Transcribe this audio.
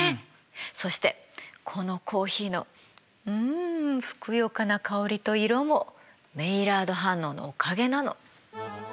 そしてこのコーヒーのうんふくよかな香りと色もメイラード反応のおかげなの。